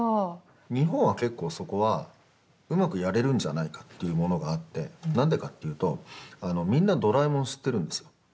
日本は結構そこはうまくやれるんじゃないかというものがあって何でかって言うとみんな「ドラえもん」知ってるんですよ。